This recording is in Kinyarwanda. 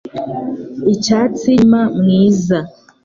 Icyatsi kibisi ni umurima mwiza.